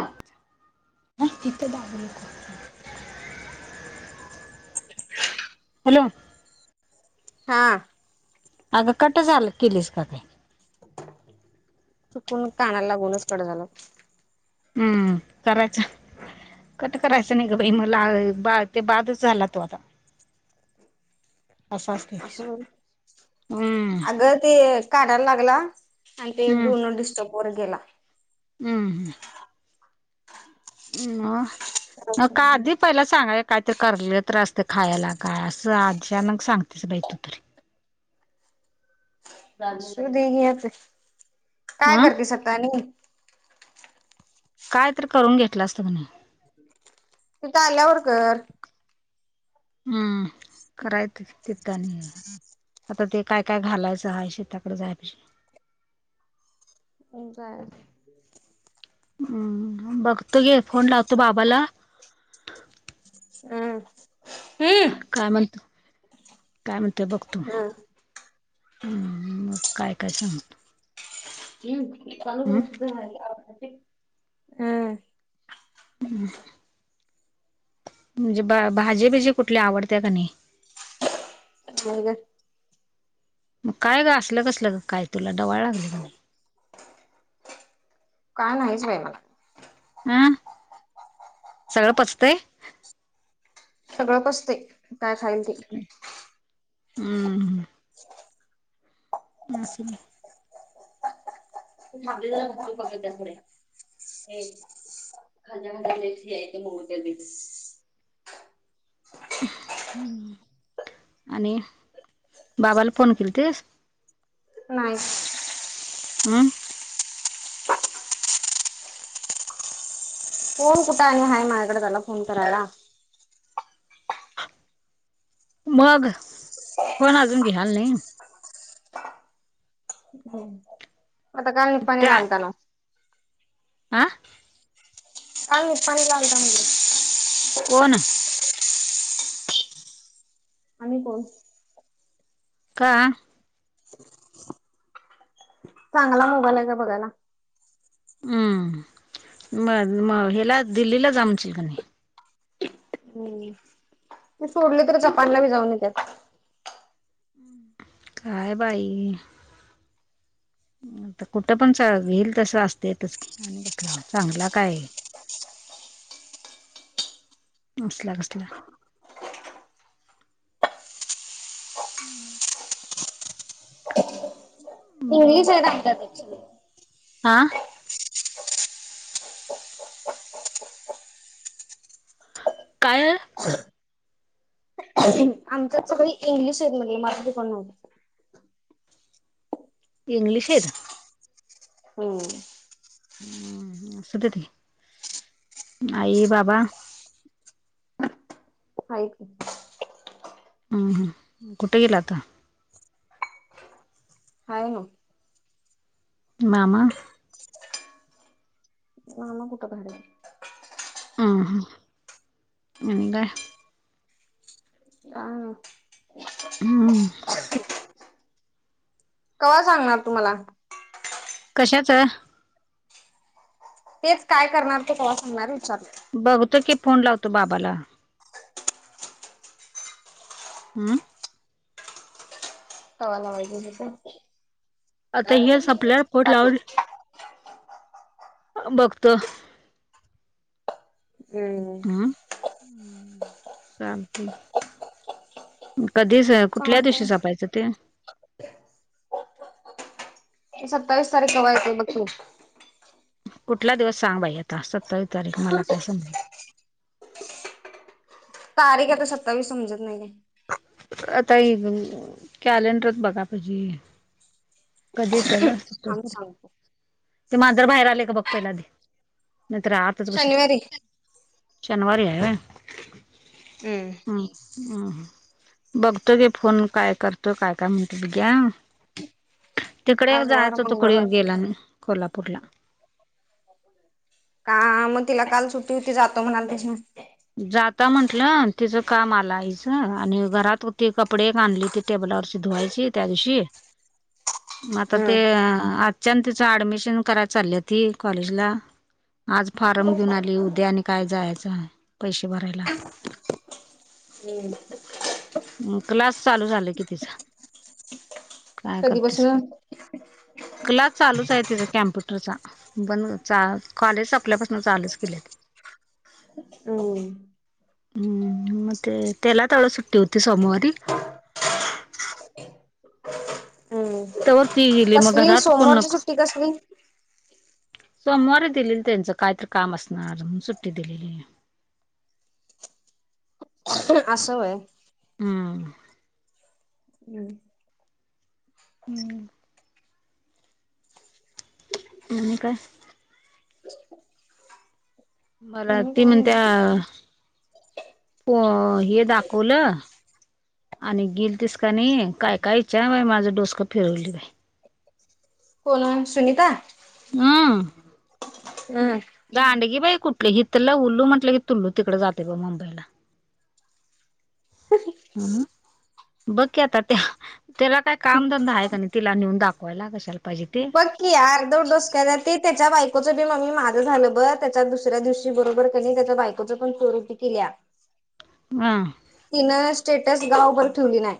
तित दा ब क [unintelligible] हॅलो हा अगं कट झाल किलीस का का चुकून कानाला लागूनच कट झाल. हम्म करायचं. कट करायचं नाही ग बाई मला बा ते बादच झाला तो आता [unintelligible] अस हम्म अग ते काढायला लागला आणि ते दोन डिस्टर्ब वर गेला. हम् हम्. अं हां, नका आधी पहिला सांगाय कायतरी करलेलं तरी असते खायला काय. असं अचानक सांगतेस बाई तू तरी. असू दे की आता, काय अं करतेस आत्ता आणि? काय तर करून घेतलं असत क नही? इथ आल्यावर कर. हं, करायचं तिथ आणि आता ते काय काय घालायचं हाय? शेताकडे जाया पाशी मग काय? हम्म बघतो घे फोन लावतो बाबाला. अं. काय म्हणतो? काय म्हणत ते बघतो. हम्म हं, मग काय काय सांगतो. हम्म हं. हं म्हणजे बा भाजीबिजी कुठली आवडते का नाही? [unintelligible] मग काय ग असलं कसलं ग काय? तुला डवाळ लागली म्हणे. काय नाहीच बाई मला. अं? सगळं पचतंय? सगळं पचते काय खाईल ते. अं हं. [unintelligible] [unintelligible] [unintelligible] हं, आणि बाबाला फोन केलतीस? नाही. अं? फोन कुठं आणि हाय महयाकडे त्याला फोन करायला? मग फोन अजून घ्यायल नाही? [unintelligible] आं? काही नाही पाहणी लागाल त्याला म्हणली. कोण आम्ही कोण? का? चांगला मोबाईल आहे का बघायला? हं, म म हेला दिल्लीला जा म्हणशील कणी. हं, ते सोडले तर जपानला बी जाऊन येत्यात. काय बाई? आता कुठं पण घईल तस असतेच, आणि बसला चांगला काय? [inaudible] असला कसला? हं. इंग्लिश आहे त्यात सगळं. आं? काय? आमच्यात सगळी इंग्लिश आहेत म्हणले मराठी कोण नाही. इंग्लिशेत? हं. हं, असुदेत. आई बाबा? हाय की हं हं, कुठे गेला आता? हाय ना मामा मामा कुठं बाहेर ह हा अ काय काय नाही. हम् कव सांगणार तुम्हाला कशाच तेच काय करणार ते ते्हा सांगणार विचार बघतो की फोन लावतो बाबाला आम हवा ना वाजे हो का आता हेच आपल्याला पोट लावून बघतो हम्म म् चाल ठी कधी कुठल्या दिवशी चालतंय. जपायचं ते सत्तावीस तारीख हवा येत बघू कुठला दिवस सांग बाई आता सत्तावीस तारीख मला काय समजल [unintelligible] तारीख आता सत्तावीस समजत नाही का आता ह कॅलेंडरच बघा पाझी कधी येतव हम सग ते मांजर बाहेर आले का बघ पहिला आधी नाहीतर आताच बशील शनिवारी शनिवारी आय हम् हम्म अ बघतो गे फोन काय करतो काय काय म्हणत बघ्या तिकडे आज वार जायचं तो कणी मंगळवार. गेला कोल्हापूरला का मग तिला काल सुट्टी होती जातो म्हणाल तशन जाता म्हंटलं तिचं काम आला आच आणि घरातती कपडे एक आणली ती टेबल वची धुवायची त्या दिवशी आता ते हम्म आजच्यान तिचं ऍडमिशन कराय चाल ती कॉलेजला आज फारम घेऊन आली उद्या आणि काय जायचं आहे पैसे भरायला हम्म. क्लास चालू झाला कि तिचा काय क दि बस करतेस ना क्लास चालूच आहे तिचा कॅम्प्युटरचा बण कॉलेज संपल्यापासून चालूच केली [unintelligible] हम्म म ते तेला थोडं सुट ट्योती समूवारी तरवर ती गेली मग कसली घरात कोण सोमवारची नको सुट्टी कसली? सोमवारी दिलेली त्यांचं कायतरी काम असणार सुट्टी दिलेली [unintelligible] आसय हम हम् हम् म आणि काय मला ती काय म्हणत्या प हे दाखवलं आणि गेलतीस काय नाही काय काय इच्छा बा माझं डोसकं फिरवली बाई कोण सुनीता हं हम्म. दांडगी बाई कुठली हथला उलू म्हटलं, की तुल्लू तिकडे जाते बग मुंबईला. [inaudible] हह [unintelligible] बघ क आता त्याला काय कामधंदा, आहे का नाही, तिला नेऊन दाखवायला कशाल बकी आरदवट दोडोस्कया च [unintelligible] त्याच्या बायकोचं बी मगी माझं झालं बर त्याच्या दुसऱ्या दिवशी बरोबर कनी त्याच्या बायकोचं पण चोर ओटी केल्या हा. तिन स्टेटस गावभर ठेवली नाही.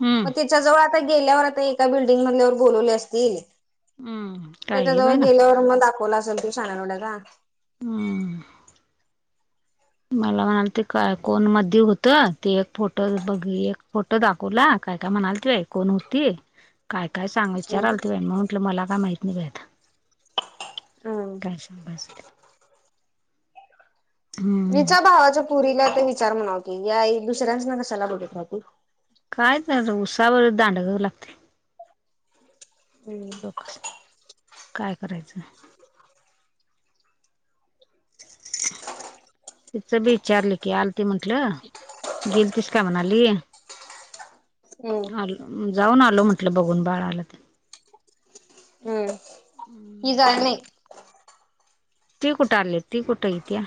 हम्म मग तिच्या जवळ आता गेल्यावर आता एका बिल्डिंग मधल्यावर बोलवले असतील. हम्म काय त्याच्या गे जवळ बाई ना गेल्यावर मग दाखवलं असेल तू शाना लवड्या चा. [unintelligible] हम्म. मला म्हणाल ते काय कोण म होत ते एक फोटो बघ एक फोटो दाखवला. काय काय म्हणाल ती बाई कोण होती काय? काय सांगा विचाराल त बा म म्हटलं मला काय माहित नाही बाई आता. हम्म. कालशमभजते [unintelligible] तिच्या भावाच्या पुरीला ते विचार म्हणाव [unintelligible] की या दुसऱ्यांच ना, कशाला बोलत राती कायच नाही उसावर दांड करू लागते. हम्म लोक काय करायचं [unintelligible] तिचं बी विचारलं की आल ती म्हंटल गेलतीस का म्हणाली. हम्म आल जाऊन आलो म्हंटलं बघून बाळा आला तर हम्म ही हम्म. जाय नाही. ते कुठं आले ते कुठं इथ्या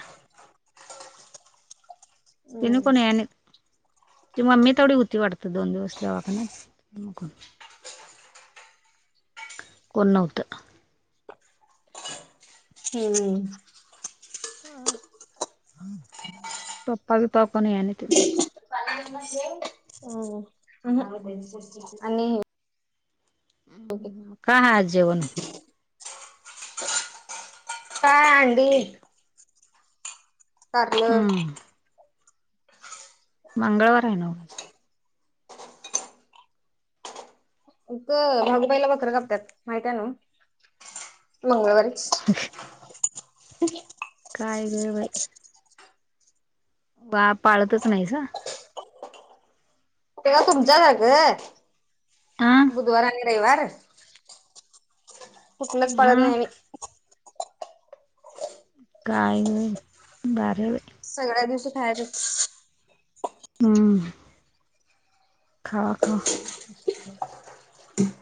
हम्म. ती मम्मी तेवढ होती वाटत दोन दिवस दवाखान्यात. कोण नव्हत. हम्म ह. पप्पा विपा कोण यायला नाही त्यांच हम्म ह आणि काहा जेवन काय आंडी कारल. हम्म मंगळवार आहे ना, वो क भूगू मंबईला बकर कापत्यात माहित [unintelligible] आहे नव मंगळवारी अ [inaudible] ह [unintelligible] काय ग बाई वा पाळतच नाही का? तेव तुमच्या सग हा बुधवार आणि रविवार कुठलंच पाळत नाही हा आम्ही. काय ग बाई बारीे बई सगळ्या दिवशी खायच हम्म. खावा खावा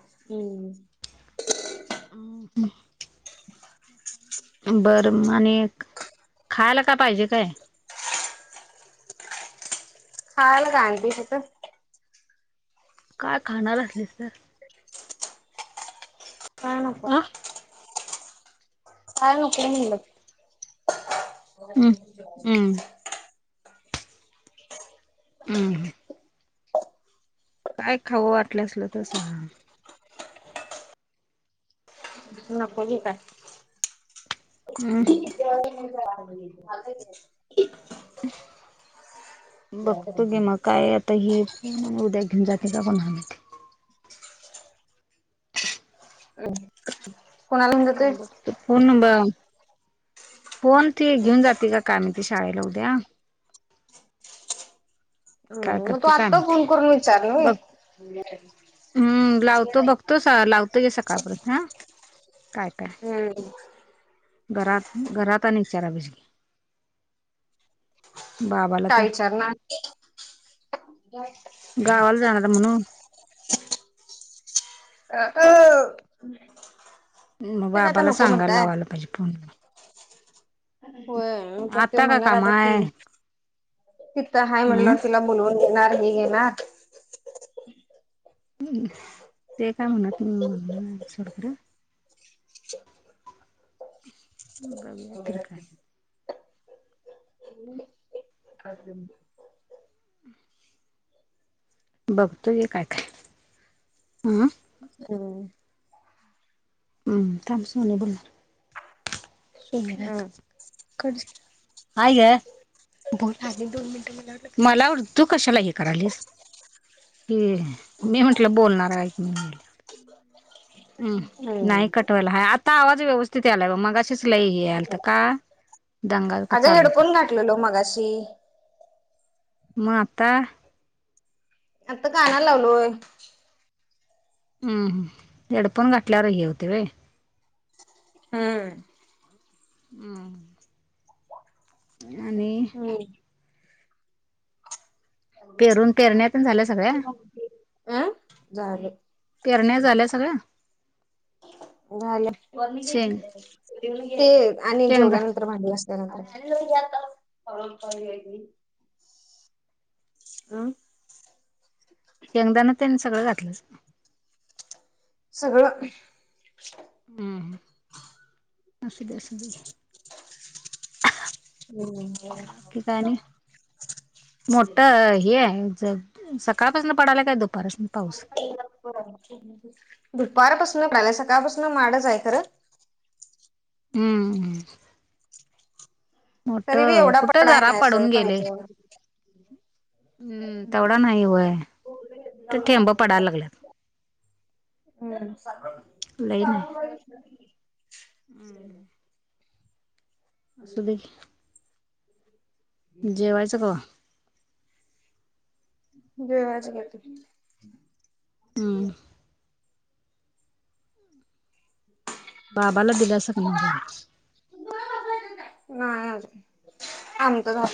हम्म. अ [unintelligible] बरं आणि खायला का पाहिजे काय? खायला का आणली तिथ काय खाणार असलीस तर काय नको अ काय नको म्हणलं हम्म हम्म हो हम् काय खावं वाटलं असल तर सांग नको की काय हम [inaudible] बघतो के मग काय आता हे उद्या घेऊन जाते का पण ह [inaudible] ते बरं फोन नंबर फोन ती घेऊन जाते का काय मी त शाळेला उद्या काय हम्म मग तू करते काय आत्ता माहिती. फोन करून विचार बघ मग हम्म लावतो बघतो लावतो ग सकाळपर्यंत हा काय काय हम्म घरात घरात विचारा पाहिजेल की बाबाला काय त्या विचारणार गावाला जाणार म्हणून [inaudible] अ अ मग बाबाला सांगायला लावायला पाहिजे फोन हो तर ते आता काय म्हणणार काम आता की आहे तिथं हाय म्हणल हम्म तिला बोलवून घेणार हे घेणार हम्म ते काय म्हणत मी म्हण सोड खर बघू तरी काले हम बघतोय काय काय हं हो हम् काम सुणे बोल हम्म काय ग ब दोन मिनट मला तू कशाला हे करालीस ह मी म्हटलं बोलणार कायक गेलं हम् नाही हम्म कटवायला हा आता आवाज व्यवस्थित यालाय मग अच लई येयलात का दंगा का अगं चालू होता हेडफोन घाठलेलो मगाशी मा आता आत काण्यालालु हम्मम हेडफोन घातल्यावर हे होतंय वे हम्म हम्म आणि अं पेरून पेरण्यात झाल्या सगळ्या झाले पेरण्या झाल्या सगळ्या झालं शेंग ते आणि शेंगदा जेवल्यानंतर भांडले असल्यानंतर. आतालीली. हं शेंगदाना त्यांनी सगळं घातलं सगळं. हम्म ह असुदे असुदे हम्म बाकी काय आणि मोठ हे आहे ज सकाळपासून पडायला काय दुपारपासून पाऊस दुपारपासून सकाळपासून माडच आहे खरं हम्म हम्म. तरी बी मोठं एवढा कुठे पडाय जरा नाही असं पडून गेले. पाहिजे एवढं. हम्म तेवढा नाही वय तर ठेंब पडायला लागल्यात. हम्म. हम्म. असुदे जेवायचं कवा? जेवायचं कि हम्म. बाबाला दिलास कणी? नाही आजून आमचं झाल्यावर